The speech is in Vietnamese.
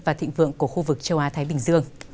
và thịnh vượng của khu vực châu á thái bình dương